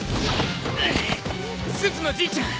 すずのじいちゃん！